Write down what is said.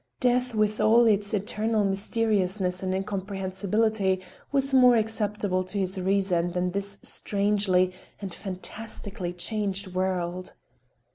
Death with all its eternal mysteriousness and incomprehensibility was more acceptable to his reason than this strangely and fantastically changed world.